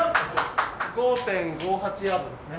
５．５８ヤードですね。